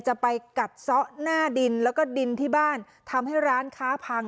จะไปกัดซะหน้าดินแล้วก็ดินที่บ้านทำให้ร้านค้าพัง